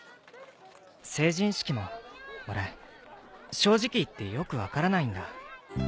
成人式も俺正直言ってよく分からないんだ。